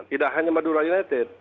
tidak hanya madura united